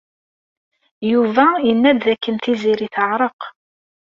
Yuba yenna-d dakken Tiziri teɛreq.